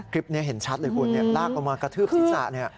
คลิปนี้เห็นชัดเลยคุณลากลงมากระทืบศิษฐะนี้ค่ะ